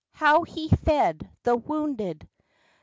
how he fed the wounded.